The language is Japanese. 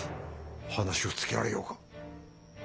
話をつけられようか？